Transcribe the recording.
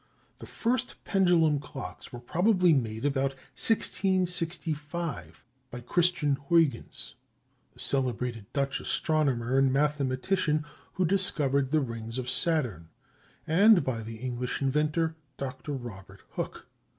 The first pendulum clocks were probably made about 1665, by Christian Huyghens, the celebrated Dutch astronomer and mathematician who discovered the rings of Saturn; and by the English inventor, Doctor Robert Hooke.